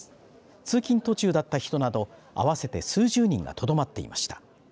通勤途中だった人など合わせて数十人が留まっていました。